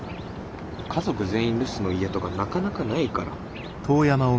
家族全員留守の家とかなかなかないから。